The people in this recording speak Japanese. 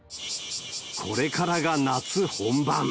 これからが夏本番。